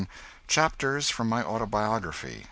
CHAPTERS FROM MY AUTOBIOGRAPHY.